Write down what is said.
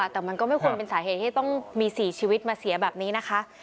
แต่มันก็ไม่ควรเป็นสาเหตุที่ต้องมี๔ชีวิตมาเสียแบบนี้นะคะ